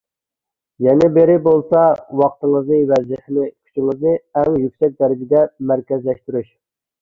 يەنە بىرى بولسا، ۋاقتىڭىزنى ۋە زېھنىي كۈچىڭىزنى ئەڭ يۈكسەك دەرىجىدە مەركەزلەشتۈرۈش.